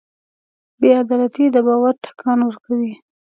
بېعدالتي د باور ټکان ورکوي.